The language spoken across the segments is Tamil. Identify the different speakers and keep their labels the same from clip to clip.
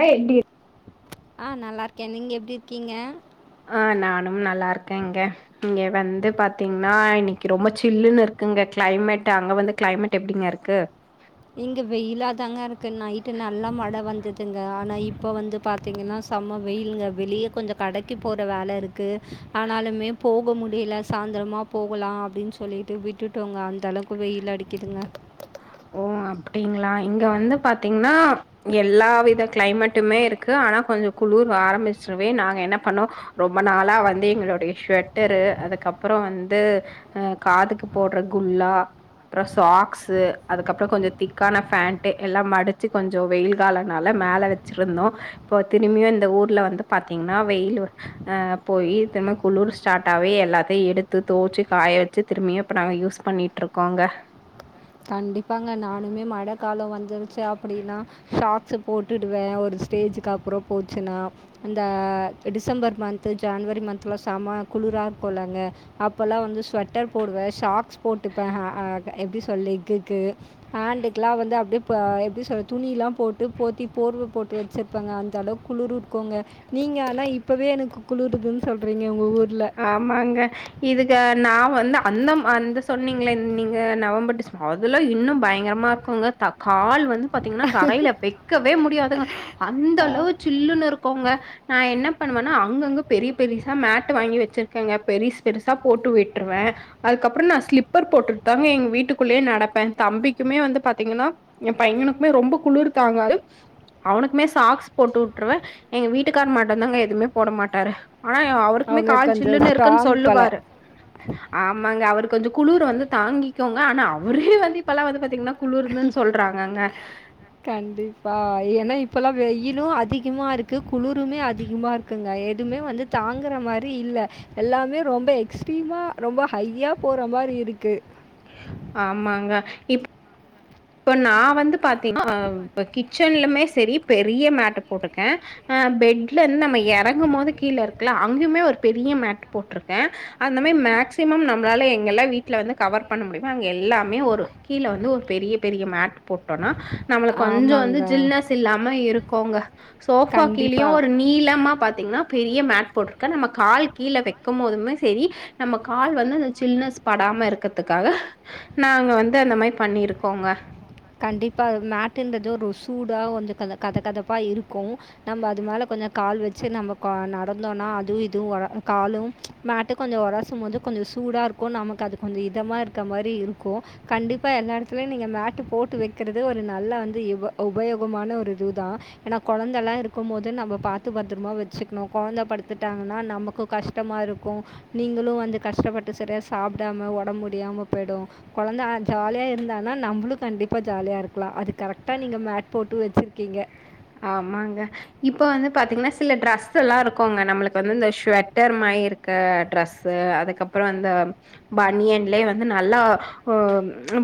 Speaker 1: யே டீர்
Speaker 2: ஆ நல்லா இருக்கேன் நீங்க எப்டி இர்க்கீங்க
Speaker 1: ஆ நானும் நல்லாருக்கேங்க இங்க வந்து பாத்தீங்ன்னா இன்னிக்கி ரொம்ப சில்லுன் இருக்குங்க க்ளைமேட்டு அங்க வந்து க்ளைமேட் எப்டிங்க இருக்கு
Speaker 2: இப்போ வந்து பார்த்தீங்குனா சம்ம வெயில்ங்க வெளியே கொஞ்சு கடக்கி போற வேல இருக்குது ஆனாலுமே போக முடில சாந்திரமா போகுலா அப்டின் சொல்லிட்டு விட்டுடோங்க அந்த அளவ்க்கு வெயில் அடிக்குதுங்க
Speaker 1: ஓ அ அப்டிங்ளா இங்க வந்து பாத்தீங்ன்னா எல்லா வித க்ளைமேட்டுமே இருக்கு ஆனா கொஞ்சு குளுர் வாரமிஸ்ருமே நாங்க என்ன பண்ணோ ரொம்ப நாளா வந்து எங்களோடைய ஸ்வட்டரு அதுக்கப்புறோ போ வந்து அ காதுக்கு போட்ற குல்லா அப்புறோ சாக்ஸு அதுக்கப்புறோ கொஞ்சோ திக்கான ஃபேன்ட்டு எல்லா மடிச்சு கொஞ்சோ வெயில் காலனால மேல வெச்சிருந்தோ போ திரும்பியு இந்த ஊர்ல வந்து பா்த்தீங்ன்னா வெய்லு அ போயி திரும்ப குளிரு ஸ்டாட் ஆவே எல்லாத்தி எடுத்து தோச்சு காய வச்சு திருமியு இப்ப நாங்க யூஸ் பண்ணிட்ருக்கோங்க
Speaker 2: கண்டிப்பாங்க நானுமே மழ காலோ வந்துருச்சு அப்டின்னா ஷாக்ச போட்டுடுவே ஒரு ஸ்டே ஜுக்கப்றோ போச்சுனா அந்த டிசம்பர் மான்த்து ஜனாவரி மான்த்லா சம்ம குளுரா கூலங்க அப்பல்லா வந்து ஸ்வெட்டர் போடுவே ஷாக்ஸ் போட்டுப்பே அ ஆ எப்டி சொல் லெக்குகு ஹான்டுக்லா வந்து அப்டியே ப எப்டி சொல்ல துணிலாம் போட்டு போத்தி போர்வ போட் ட்டு வச்சிருப்பங்க அந்தளவுக்கு குளிர் இருக்கூங்க நீங்க ஆனா இப்பவே எனக்கு குளிருதுன் சொல்றீங்க உங்க ஊர்
Speaker 1: ஆமாங்க இதுக்க நா வந்து அன்னம் அந்த சொன்னீங்ளே நீங்க நவம்பர் டிசம் அதுல இன்னு பயங்கரமா இருக்குங்க தக் கால் வந்து பாத்தீங்கன்னா தரைல வெக்கவே முடியாதுங்க அந்த அளவு சில்லுனு இருக்கூங்க நா என்ன பண்ணுவனா அங்கங்க பெரி பெரிசா மேட் ட்டு வாங்கி வெச்சிருக்கங்க பெரிஸ் பெருசா போட்டு விட்ருவ அதுக்கப்ற நா ஸ்லிப்பர் போட்டுட்தாங்க எங் வீட் ட்டுக்குள்ளயே நடப்ப தம்பிக்குமே வந்து பாத்தீங்கன்னா என் பையனுக்குமே ரொம்ப குளிர் தாங்காது அவனுக்குமே சாக்ஸ் போட்டு உட்ருவ எங்க வீட்டுக்கார் மட்டுந்தாங்க எதுவுமே போட மாட்டாரு ஆனா அவ் க்குமே கால் சில்லுனு இருக்குன் சொல்லுவாரு ஆமாங்க அவரு கொஞ்சொ குளுரு வந்து தாங்கிக்கோங்க ஆனா அவரே வந்து இப்பல்லா வந்து பாத்தீங்கன்னா குளுருந்துன் சொல்றாங்கங்க
Speaker 2: இப்பல்லா வெயிலு அதிகமா இருக்கு குளிருமே அதிகமா இருக்குங்க எதுவுமே வந்து தாங்குற மாரி இல் ல எல்லாமே ரொம்ப எக்ஸ்ட்ரீமா ரொம்ப ஹையா போற மாரி இருக்கு
Speaker 1: ஆமாங்க இப் ப்ப நா வந்து பாத்தீங்ன்னா [inaudible] ச்சன்லுமே சரி பெரிய மேட்ட போட்ருக்கே அ பெட்லிருந்து நம்ம எறங்கும்மோது கீழ இருக்குல அங்கயுமே ஒரு பெரிய மேட்டு போட்ருக்க அந்த மாரி மேக்சிமம் நம்ளால எங்க எல்லா வீட்ல வந்து கவர் பண்ண முடியுமா அங்க எல்லாமே ஒரு கீழ வந்து ஒரு பெரிய பெரிய மேட்டு போட்டோனா நம்மள கொஞ்சொ வந்து ஜில்னஸ் இல்லாம இருக்கோங்க சோஃபா கீழயு ஒரு நீளமா பாத்தீங் னா பெரிய மேட் போட்ருக்க நம்ம கால் கீழ வெக்கம்மோதுமே செரி நம்ம கால் வந்து அந்த சில்னஸ் படாம இருக்கறதுக் க்காஹ நாங்க வந்து அந்த மாரி பண்ணிருக்கோங்க
Speaker 2: கண்டிப்பா மேட்டுன்றது ஒரு சூடா வந்து கத கதப்பா இருக்கு நம்ம அது மேல கொஞ்சொ கால் வச்சு நம்ம கொ நடந்தோனா அதுவு இதுவு வ காலு மேட்டு கொஞ்சொ ஒராசும்மோது கொஞ்சொ சூடா இருக்கு நமக்கது கொஞ்சொ இதமா இருக்க மாரி இருக் கோ கண்டிப்பா எல்லா எடத்லுயு நீங்க மேட்டு போட் டு வெக்கறது ஒரு நல்ல வந்து இப உபயோகமான ஒரு இதுதா எனா கொழந்தல்லா இருக்கும்மோது நம்ம ப பாத்து பத்திரமா வெச்சுக்ணு கொழந்த படுத்துட்டாங்கன்னா நமக்கு கஷ்டமா இருக்கு நீங்களு வந்து கஷ்ட பட்டு சரியா சாப்டாம ஒடம் முடியாம போய்டு கொழந்த ஜோலியா இருந்தாதா நம்மளு கண்டிப் ப்ப ஜாலியா இருக்லா அது க்ரக்டா நீங்க மேட் போட்டு வெச்சிருக்கீங்க
Speaker 1: பாத்தீங்கன்னா சில டிரஸ்செல்லா இருக்குங்க நம்மளுக்கு வந்து இந்த ஷ்வெட்டர் மாயிருக்க ட்ரஸ்சு அதுக்கப் அப்றோ அந்த பனியன்லே வந்து நல்லா அ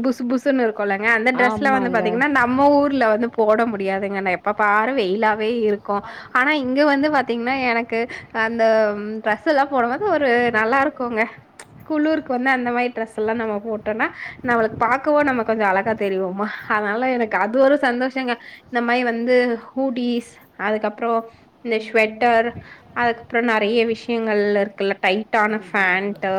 Speaker 1: புசு புசுன்னு இரு கொல்லங்க அந்த டிரெஸ்ல வந்து பாத்தீங்கன்னா ந லவந்து போட முடியாதுங்க எனா எப்ப பாரு வெயிலாவே இருக்கு ஆனா இங்க வந்து வ த்தீங்ன்னா எனக்கு அந்த ட்ரஸ்சல்லா போடம்மோது ஒரு நல்லாருக்குங்க குளுருக்கு வந்து அந்த மாரி டிரெஸ்சல்லா நம்ம போட்டோனா நம்மளுக்கு பாக்கவோ நம்ம கொஞ்சொ அழகா தெரியுவோமா அனால எனக் கது ஒரு சந்தோஷங்க இந்த மாயி வந்து ஹுடிஸ் அதுக்கப்றோ இந்த ஷ்வெட்ட டர் அதுக்கப்றோ நறைய விஷியங்கள்ல இருக்குல்ல டைப் டான ஃபேன்ட்டு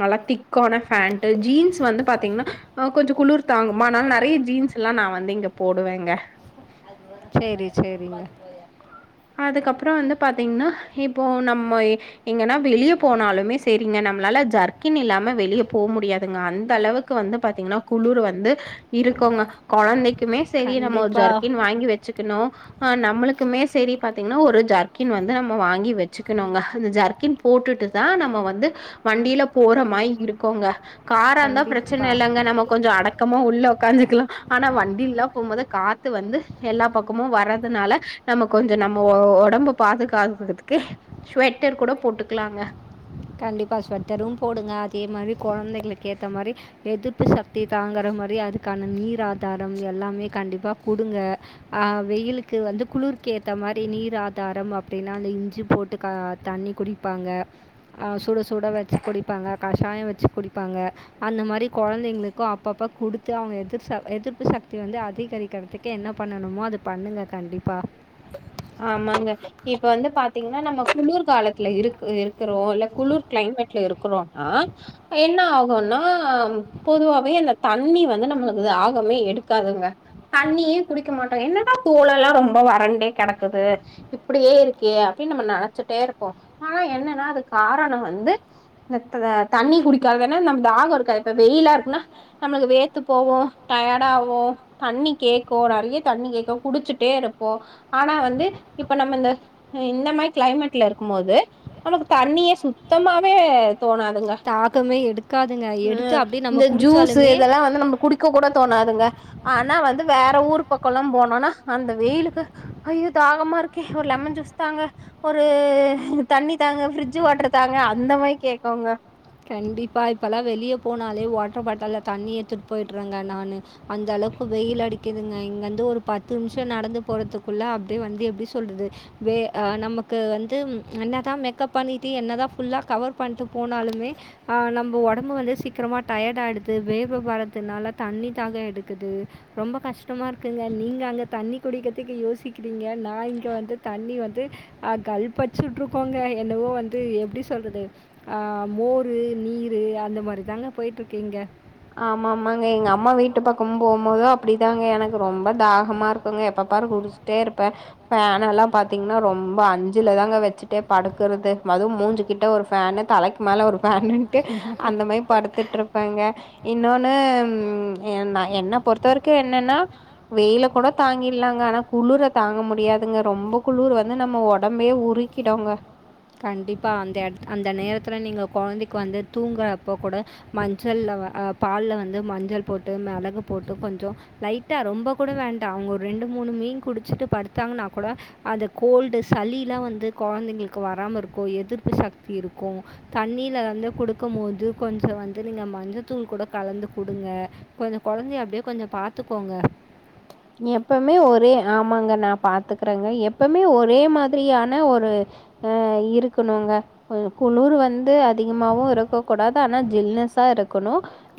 Speaker 1: நல்லா திக்கான ஃபேண்ட்டு ஜீன்ஸ் வந்து பாத்தீங்ன்னா அஹ் கொஞ்சொ குளுர் தாங்குமா அனால நறைய ஜீன்சல்லா நா வந்து இங்க போடுவேங்க
Speaker 2: ஆ [inaudible]
Speaker 1: அதுக்கப்றோ வந்து பாத்தீங்ன்னா இப்போ நம்ம எங்கன்னா வெளிய போனாலுமே சேரிங்க நம்ளால் ஜர்கின் இல்லாம வெளிய போ முடியாதுங்க அந்த அளவுக்கு வந்து பாத்தீங்கன்னா குளுரு வந்து இருக்குங் ங்க கொழந்தக்குமே சேரி நம்ம ஒரு ஜர்கின் வாங்கி வெச்சுக்கணு அ நம்மளுக்குமே சேரி பாத்தீங்கன்னா ஒரு ஜர்க்கின் வந்து நம்ம வாங்கி வெச்சுக்கணுங்க அந்த ஜர்க்கின் போட்டுட்டு தா நம்ம வந்து வண்டியல போற மாயிருக்கோங்க காரா இருந்தா ப்ரச்சன இல்லங்க நம்ம கொஞ்ச அடக்கமா உள்ள ஒக்காந்ஜீக்கலா ஆனா வண்டில்லா போம்போது கா த்து வந்து எல்லா பக்கமு வர்றதுனால நமக் வந்து நம்போ ஒடம்பு பாதுகாத்துறதுக்கு ஸ்வெட்டர் கூட போட்டுக்கலாங்க
Speaker 2: கொழந்தைங்களுக்கு ஏத்த மாதிரி எதிர்ப்பு சக்தி தாங்கற மாரி அதுக்கான நீர் ஆதாரம் எல்லாமே க கண்டிப்பா குடுங்க அ வெயிலுக்கு வந்து குளுர்கேத்த மாரி நீர் ஆதாரம் அப்டின்னா அ இஞ்சி போட்டு க தண்ணி குடிப்பாங்க சுட சுட வச்சு குடிப்பாங்க கஷாய வச்சு குடிப்பாங்க அந்த மாரி கொழந்தைங்களுக்கு அப்பப்போ குடுத்து அவ எதிர் ச எதிர்ப்பு சக்தி வந்து அதிகரிக்கிறதுக்கு என்ன பண்ணணுமோ அது பண்ணுங்கள் கண்டிப்பாக
Speaker 1: ஆமாங்க இப்ப வந்து பாத்திங்னா நம்ம குளுர் காலத்துல இருக்கு றோம் இல்ல குளுர் க்ளைமேட்ல இருக்கிறோம்னா என்ன ஆ இன்னொன்னா பொதுவாவே அந்த தண்ணி வந்து நம்மளுக்கு தாகமே எடுக்காதுங்க தண்ணி டீ குடிக்கமாட்டோ என்னன்னா தோளெல்லா ரொம்ப வர ரண்டே கெடக்குது இப்டியே இருக்கியே அப்டின் நம்ம நெனைச்சிட்டே இருப்போ ஆனா என்னன்னா அது கார ணம் வந்து இந்த தண்ணி குடிக்காதான நம்ப தாகொ இருக்காது வெயிலா இருக்குனா நம்ம வெ சேத்து போவோ டயர்ட ஆவோ தண்ணி கேட்கு நெறைய தண்ணி கேக்கு குடிச்சுட்டே இருப் போ ஆனா வந்து இப்ப நம்ம இந்த இந்த மாரி க்ளைமேட்ல இருக்கும்போது நமக்கு தண்ணி யே சுத்தமாவே தோணாதுங்க ம் இந்த ஜூஸு இதெல்லா வந்து நம்ம குடிக்க கூட தோணாதுங்க ஆனா வந்து வேற ஊர் பக்கல்லா போனோனா அந்த வெயிலு ஐயோ தாகமா இருக்கே ஒரு லெமன் ஜூஸ் தாங்க ஒரு தண்ணி தாங்க ஃபிரிட்ஜ் வாட்டர் தாங்க அந்த மாரி கேக்கோங்க
Speaker 2: கண்டிப்பா இப்பல்லாம் வெளிய போனாலே வாட்டர் பாட்டில்ல தண்ணி எத்துட்டு போயிட்டுறாங்க நானு அந்த அள அளவுக்கு வெயில் அடிக்குதுங்க இங்கந்து ஒரு பத்து நிமிஷ நடந்து போறத்துக்குள்ள அப்டியே வந்து எப்டி சொல்றது வே அ நமக்கு வந்து என்னதா மேக்கப் பண்ணிட்டு என்னதா ஃபுல்லா கவர் பண்ட்டு போனாலுமே ஆ நம்ப ஒடம்பு வந்து சீக்கிரமா டயர்ட் ஆயிடுது வேர்வ வர்றதுனால தண்ணி தாக எடுக்குது ரொம்ப கஷ்டமா இருக்குங்க நீங்க அங்க தண்ணி குடிக்கத்துக்கு யோசிக்கிறீங்க நா இங்க வந்து தண்ணி வந்து அ கல் பச்சுட்ருக்கோங்க என்னவோ வந்து எப்டி சொல்றது அ மோ ரு நீரு அந்த மாரி தாங்க போய்ட்ருக்கு இங்க
Speaker 1: ஆமா ஆமாங்க எங்க அம்மா வீட்டு பக்கம் போம்போதுதா அப்டிதாங்க எனக்கு ரொம்ப தாகமா இருக் ங்க எப்ப பாரு குடிச்சட்டே இருப்பேன் ஃபேன் எல்லா பாத்தீங்னா ரொம்ப அஞ்சுலதாங்க வச்சுட்டே படுக்கு ருது அதும் மூஞ்சு கிட்ட ஒரு ஃபேனு தலக்கி மேல ஒரு ஃபேனுன்ட்டு அந்த மாரி படுத்துட்டு இருப்பேங்க இன்னொன்னு என்ன பொறுத்த வரைக்கு என்னன்னா வெயில கூட தாங்கிடலாங்க ஆனா குளுர தாங்க முடியாதுங்க ரொம்ப குளூர் வந்து நம்ம ஒடம்பையே உருக்கிடோங்க
Speaker 2: கண்டிப்பா அந்த எட அந்த நேரத்துல நீங்க கொழந்தைக்கு வந்து தூங்குறப்ப கூட மஞ்சள்லா பால்ல வந்து மஞ்சள் போட்டு மெளகு போட்டு கொஞ்ச லைட்டா ரொம்ப கூட வேண்டா அவுங்க ரெண் ரெண்டு மூணு மீன் குடிச்சுட்டு படுத்தாங்கன்னா கூட அத கோல்டு சளிலா வந்து கொழந்தைங்களுக்கு வராம இருக்கு எதிர்ப்பு சக்தி இருக்கு தண்ணீல வந்து குடுக்கும் போது கொஞ்ச வந்து நீங்க மஞ்சத்தூள் கூட கலந்து குடுங்க கொஞ்ச கொழந்தைய அப்டியே கொஞ்ச பாத்துக்கோங்க
Speaker 1: எப்பமே ஒரே ஆமாங்க நா பாத்துக்றேங்க எப்பமே ஒரே மாதிரியான ஒரு ஆ இருக்கணுங்க குளுரு வந்து அ அதிகமாவு இருக்க கூடாது ஆனா ஜில்னஸா இருக்கணு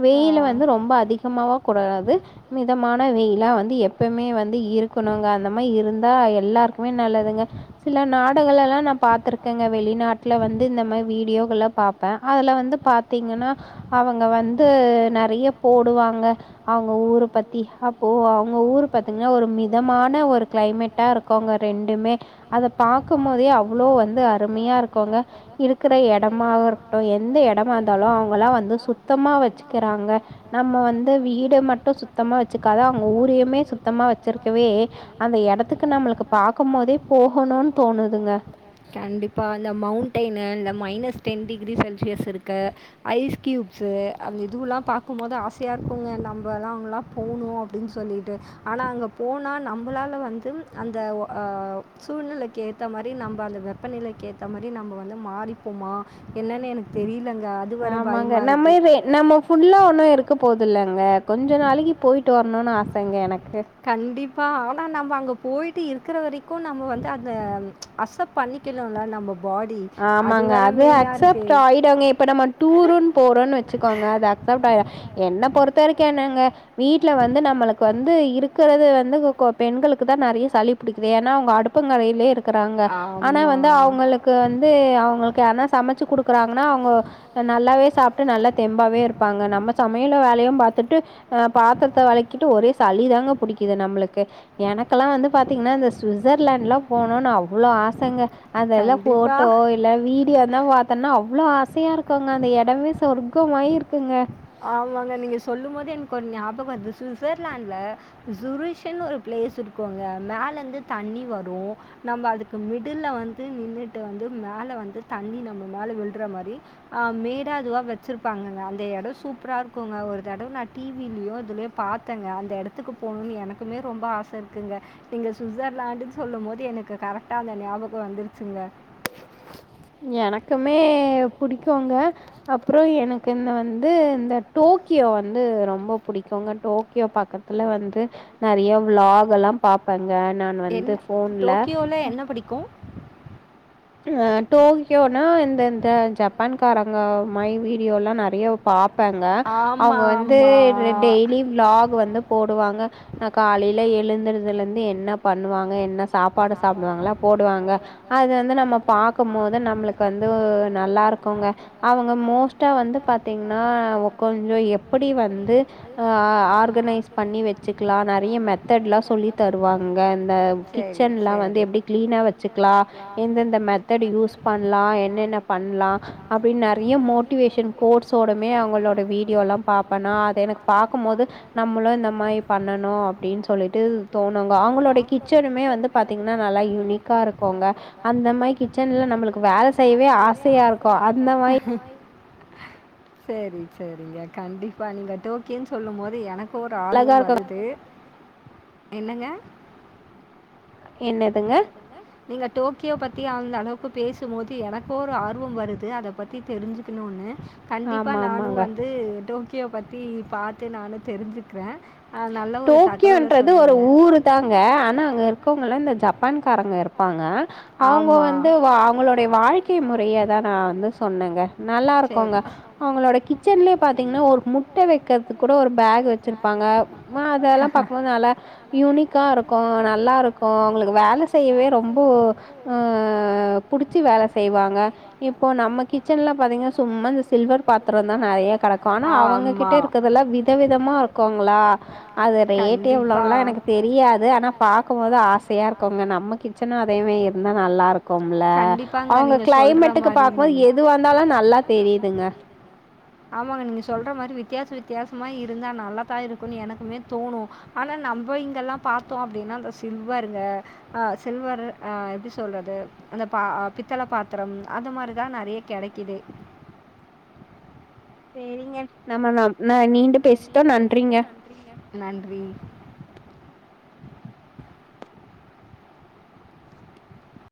Speaker 1: வெயிலு வந்து ரொம்ப அதிகமாவா கூடாறது மிதமான வெயிலா வந்து எ எப்பமே வந்து இருக்கணுங்க அந்த மாரி இருந்தா எல்லாருக்குமே நல்லதுங்க சில நாடுகள் எல்லா பாத்திருக்கேங்க வெளிநாட்ல வந்து இந்த மாரி வீடியோகள்லா பாப்பே அதுல வந்து பாத்தீங்கனா அவங்க வந்து நெறைய போடுவாங்க அவுங்க ஊரு பத்தி அப்போ அவுங்க ஊருக் பாத்தீங்கன்னா ஒரு மிதமான ஒரு க்ளைமேட்டா இருக்குங்க ரெண்டுமே அத பாக் கும் போதே அவ்ளோ வந்து அருமையா இருக்கோங்க இருக்குற எடமாக இருக்கட்டு எந்த எடமா இருந்தாலு அவுங்கலா வந்து சுத்தமா வச்சுக்கிறாங்க நம்ம வந்து வீடு இது மட்டு சுத்தமா வச்சுக்காத அவுங்க ஊரியுமே சுத் தமா வச்சிருக்கவே அந்த எடத்துக்கு நம்மளுக்கு பாக்குமோதே போகணுன் தோனுதுங்க
Speaker 2: கண்டிப்பா இந்த மவுண்டைனு இல்ல மைனஸ் டென் டிகிரி செல்சியஸ் இருக்கு ஐஸ் கியூப் ஸு அந்த இதுவெல்லா பாக்குபோது ஆசையா இருக்குங்க நம்பல்லா அங்கல்லா போணு அப்டின் சொல்லிட்டு ஆனா அங்க போனா நம்பளால வந்து அந்த அ சூழ்நிலைக்கு ஏத்த மாரி நம்ப அந்த வெப்பநிலைக்கு ஏத்த மாரி நம்ப வந்து மாறிப்போமா என்னன் எனக்கு தெரியில
Speaker 1: ஆமாங்க நம்ம வே நம்ம ஃபுல்லா ஒண்ணு இருக்க போது இல்லங்க கொஞ்ச நாளைக்கு போய் ட்டு வரணுன் ஆசங்க எனக்
Speaker 2: கண்டிப் ப ஆனா நம்ப அங்க போய்ட்டு இருக்குற வரைக்கு நம்ப வந்து அந்த அசப் பண்ணிக்கினுல்ல நம்போ
Speaker 1: ஆமாங்க அது அக்சப்ட் ஆய்டுங்க இப்ப நம்ம டூருன் போறோன் வச்சுக்கோங்க அது அக்சப்ட் ஆ ய என்ன பொறுத்தரைக் கெனங்க வீட்டல வந்து நம்மளுக்கு வந்து இருக்கறது வந்து கொ பெண்களுக்கு தா நெறைய சளி புடிக் இது ஏனா அவுங்க அடுப்பங்கறையிலே இருக்குறாங்க ஆனா வந்து அவுங்களுக் த வந்து அவுங்களுக்கு யார்னா சமச்சு குடுக்குறாங்னா அவுங்க நல்லாவே சாப்ட்டு நல்லா தெம்பாவே இருப்பாங் அங்க நம்ம சமையல வேலையு பாத்துட்டு அ பாத்திரத்த வெளக்கிட்டு ஒரே சளிதாங்க புடிக்குது நம்முளுக்கு எனக்கெல்லா வந்து பாத்தீங்னா இந்த சுசர்லாண்ட்லா போனுன் அவ்ளோ ஆசங்க அதெல்லா ஃபோட்டோ இல்ல வீடியோ எத்னா பாத்தனா அவ்ளோ ஆசையா இருக்குங்க அந்த எடமே சொர்க்கமாயிருக்குங்க
Speaker 2: ஆமாங்க நீங்க சொல்லுபோது என்க்கு ஒன் ஞாபக வருது சுசர்லாண்ட்ல ஜூரிசின் ஒரு ஃப்ளே ஸ் இருக்குங்க மேலந்து தண்ணி வரு நம்ம அதுக்கு மிடில வந்து நின்னுட்டு வந்து மேல வந்து தண்ணி நம்ப மேல விழ்ற மாரி அ மேடா அதுவா வச்சிருப்பாங்கங்க அந்த எடோ சூப்பரா இருக்குங்க ஒரு தடவ நா டிவிலியோ இதுலியோ பாத்தங்க அந்த ஏடத்துக்கு போணுன் எனக்குமே ரொம்ப ஆ சர்குங்க நீங்க சுசர்லாண்டுன் சொல்லுமோது எனக்கு கரெக்டா அந்த ஞாபகோ வந்துருச்சுங்க
Speaker 1: [unintelligible] எனக்குமே புடிக்குங்க அப்றோ எனக்கு இந்த வந்து இந்த டோ க்கியோ வந்து ரொம்ப புடிக்குங்க டோக்கியோ பக்கத்துல வந்து நெறைய விளாக் எல்லா பாப்ப இங்க நான் வந்து ஃபோன்ல அ டோக்யோனா இந்த இந்த ஜப்பான் கார ங்க மை வீடியோ எல்லா நெறைய பாப் பங்க அவுங்க வந்து டெ டெய்லி விளாக் வந்து போடுவாங்க நா காலையில எழுந்தறதுலந்து என்ன பண்ணுவாங்க என்ன சாப்பாடு சாப்டுவாங்ளா போடுவாங்க அது வந்து நம் பாக்கமோது நம்ளுக்கு வந்து நல்லாருக்குங்க அவுங்க மோஸ்டா வந்து பாத்தீங்னா ஆ ஒ கொஞ்சோ எப்டி வந்து ஆ ஆர்கனைஸ் பண்ணி வெச்சுக்லா நெறைய மெத்தேட் லா சொல்லி தருவாங்க இந்த கிச்சன்
Speaker 2: செரி எப்டி எப்டி கிளினா வச்சுக்லா
Speaker 1: இந்த மெத்தடு யூஸ் பண்லா என்னென்ன பண்லா அப்டின் நெறைய மோட்டிவேஷன் கோர்ஸ்சோடமே அ அவுங்களோட வீடியோல்லா பாப்பனா அத எனக் பாக்குமோது நம்முளு இந்த மாரி பண்ணனுன் அப்டின் சொல் சொல்லிட்டு தோனுங்க ஆவுங்களோடோ கிச்சனுமே வந்து பாத்தீங்னா நல்லா யுனீக்கா இருக்குங்க அந் மாரி கிச்சன்ல நம்முளுக்கு வேல செய்யவே ஆசையாருக்கு அந்த மாயி
Speaker 2: சேரி சேரிங்க கண்டிப்பா நீங்க டோக்கியோன் சொல்லு போது எனக் கு ஒர் ஆர்வம் வருது என்னங்க
Speaker 1: என்னதுங்க
Speaker 2: டோக்யோ பத்தி அந்த அளவுக்கு பேசுபோது எனக்கு ஓரு ஆர்வம் வருது அத பத்தி தெரிஞ்சி க்குனுனு கண்டிப்பா நானு வந்து டோக்கி யோ பத்தி பாத்து நானு தெரிஞ்சுக்றே
Speaker 1: டோக்யோன்றது ஒரு ஊரு தாங்க ஆனா அங்க இருக்கவுங்கெல்லா இந்த ஜப் பான் காரங்க இருப்பாங்க அவுங்க வந்து வ அவங்களோடைய வாழ்க்கை முறைய தா நா வந்து சொன்னேங் நல்லாருக்கோங்க அவுங்ளோட கிச்சன்லே பாத்தீங்ன ஒர் முட்டெ வெக்கற்துக் குடொ ஒர் பேக் வச்சிர்ப்பாங்க மா அதெல்லா பக்கும்போது நல்லா யுனிக்கா இருக்கு நல்லாருக்கு அவுங்ளுக்கு வேல செய்யவே ரொம்போ போ அ புடிச்சி வேல செய்வாங்க இப்போ நம்ம கிச்சன்ல பாத்தீங்ன சும்மா இந்த சில்வர் பாத்ரந்தா நெறைய கடக்கு ஆனா அவங்ககிட்ட இருக்கற்தெல்லா விதவிதமா இருக்குங்ளா அது ரேட்டே எவ்ளோன்லா எனக்கு தெரியாது ஆனா பாக்கும்போது ஆஸ் செயா இருக்கோங்க நம்ம கிச்சனு அதேமேயி இருந்தா நல்லாருக் கோம்ல அவுங்க க்ளைமேட்டுக்கு பாக்போது எது வந்தாலு நல்லா தெரியுதுங்க
Speaker 2: ஆமாங்க நீங்க சொல்ற மாரி வித்தியாச வித் வித்யாஸ்மா இருந்தா நல்லாதா இருக்குன் எனக்குமே தோணு ஆனா நம்ப இங்கெல்லா பாத்தோ அப்டின்னா அந்த சி இருக் பாருங்க அ சில்வர்ரு அ எப்டி சொல்றது அந்த பா பித்தள பாத்ரம் அது இந்த மாரிதா நெறைய கெடைக்குது
Speaker 1: சேரிங்க நம்ம நம் நா நீண்டு பேஸ்ட்டோ நன்றிங்க